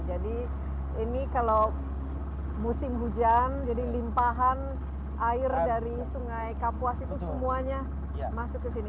jadi ini kalau musim hujan jadi limpahan air dari sungai kapuas itu semuanya masuk ke sini